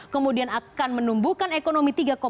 kemudian akan menumbuhkan ekonomi tiga lima hingga empat persen